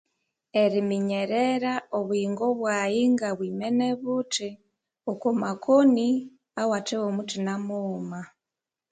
Eriminyerere obuyinga bwaghe ngabwimene buthi okumakoni awathe womuthina mughuma